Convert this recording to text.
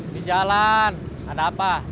di jalan ada apa